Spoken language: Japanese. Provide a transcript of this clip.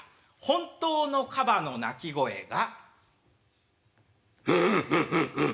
本当のカバの鳴き声が。